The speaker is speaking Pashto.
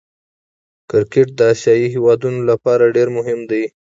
کرکټ د آسيايي هېوادو له پاره ډېر مهم دئ.